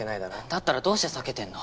だったらどうして避けてんの？